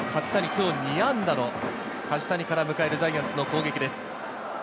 今日２安打の梶谷から迎えるジャイアンツの攻撃です。